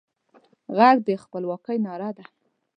غږ د خپلواکۍ ناره ده